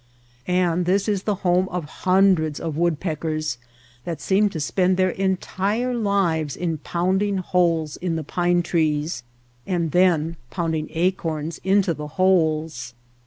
And this is the home of hun dreds of woodpeckers that seem to spend their entire lives in pounding holes in the pine trees and then pounding acorns into the holes.